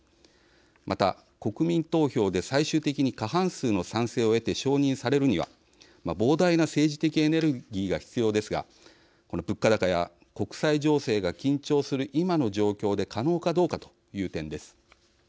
また、国民投票で最終的に過半数の賛成を得て承認されるには、膨大な政治的エネルギーが必要ですがこの物価高や国際情勢が緊張する今の状況で可能かどうかという点です。